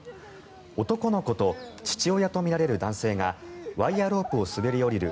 男の子と父親とみられる男性がワイヤロープを滑り降りる